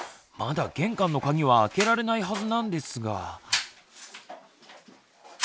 まだ玄関のカギは開けられないはずなんですが。